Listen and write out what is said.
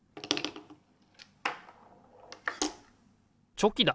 チョキだ！